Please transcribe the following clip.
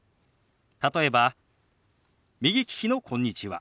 例えば右利きの「こんにちは」。